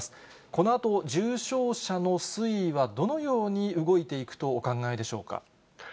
このあと重症者の推移はどのように動いていくとお考えでしょうか。